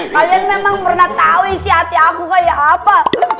kalian memang pernah tahu isi hati aku kayak apa